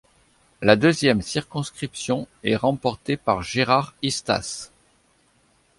La deuxième circonscription est remportée par Gérard Istace.